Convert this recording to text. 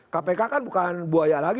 kpk kan bukan buaya lagi